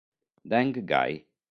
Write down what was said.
Deng Gai